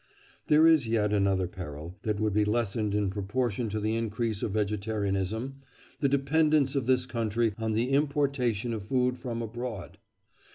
There is yet another peril that would be lessened in proportion to the increase of vegetarianism—the dependence of this country on the importation of food from abroad.